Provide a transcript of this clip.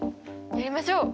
やりましょう！